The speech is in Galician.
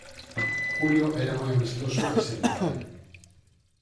Julio era moi amistoso e servizal.